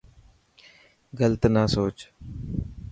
گلت نا سوچ.